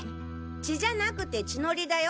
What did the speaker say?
血じゃなくて血ノリだよ。